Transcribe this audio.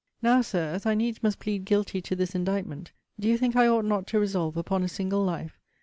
Now, Sir, as I needs must plead guilty to this indictment, do you think I ought not to resolve upon a single life?